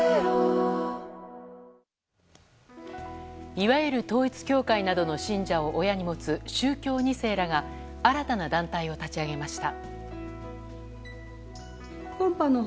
いわゆる統一教会などの信者を親に持つ宗教２世らが新たな団体を立ち上げました。